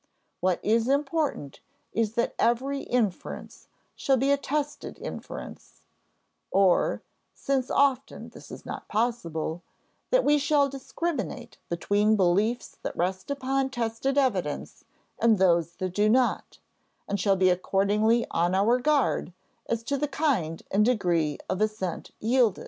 What is important, is that every inference shall be a tested inference; or (since often this is not possible) _that we shall discriminate between beliefs that rest upon tested evidence and those that do not, and shall be accordingly on our guard as to the kind and degree of assent yielded_.